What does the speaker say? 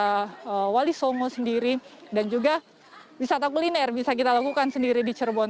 para wali songo sendiri dan juga wisata kuliner bisa kita lakukan sendiri di cirebon